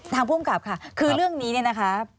ภูมิกับค่ะคือเรื่องนี้เนี่ยนะคะ